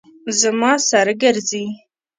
زما سر ګرځي